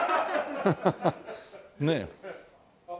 ハハハ！ねえ。